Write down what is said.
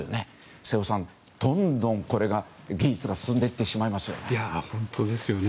瀬尾さん、どんどん技術が進んでいってしまいますよね。